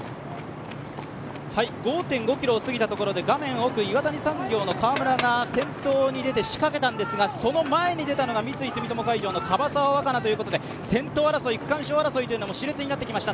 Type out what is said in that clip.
５．５ｋｍを過ぎたところで、画面奥、岩谷産業の川村が先頭に出て仕掛けたんですが、その前に出たのが三井住友海上の樺沢和佳奈ということで先頭争い、区間賞争いもし烈になってきました。